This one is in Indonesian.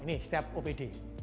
ini setiap opd